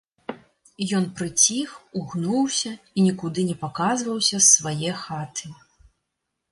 Ён прыціх, угнуўся і нікуды не паказваўся з свае хаты.